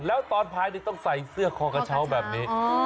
แล้วตอนพายต้องใส่เสื้อคอกระเช้าแบบนี้